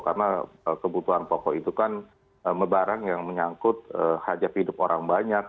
karena kebutuhan pokok itu kan barang yang menyangkut hajat hidup orang banyak